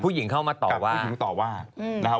ผู้หญิงเข้ามาตอว่ากับผู้หญิงเข้ามาตอว่า